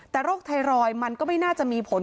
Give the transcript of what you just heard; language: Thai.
แต่โรคไทรอยด์มันก็ไม่น่าจะมีผล